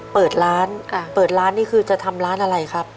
เปิดร้านเปิดร้านนี่คือจะทำร้านอะไรครับ